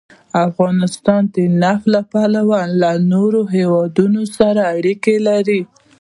افغانستان د نفت له پلوه له نورو هېوادونو سره اړیکې لري.